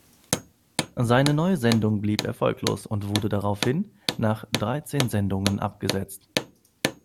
Seine neue Sendung blieb erfolglos und wurde daraufhin nach dreizehn Sendungen abgesetzt.